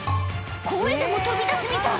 声でも飛び出すみたい。